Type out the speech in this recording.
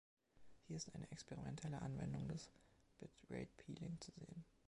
Hier ist eine experimentelle Anwendung des Bitrate Peeling zu sehen.